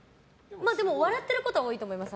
笑ってることは多いと思います。